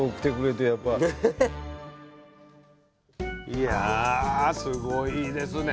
いやすごいですね。